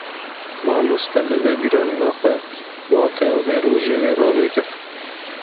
Mamoste, bi vê bîranîna xwe, wateya vê rojevê rave kir